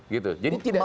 gitu jadi tidak